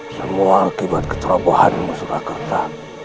semua akibat kecerobohanmu surakarta